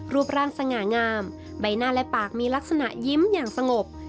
รูปร่างสง่างามใบหน้าและปากมีลักษณะยิ้มอย่างสงบ